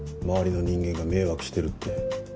周りの人間が迷惑してるって。